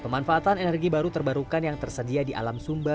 pemanfaatan energi baru terbarukan yang tersedia di alam sumba